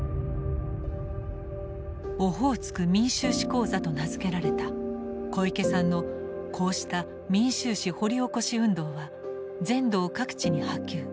「オホーツク民衆史講座」と名付けられた小池さんのこうした民衆史掘り起こし運動は全道各地に波及。